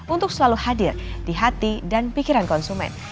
untuk selalu hadir di hati dan pikiran konsumen